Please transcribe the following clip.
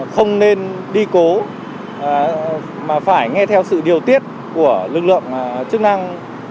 không nên đi cố mà phải nghe theo sự điều tiết của lực lượng chức năng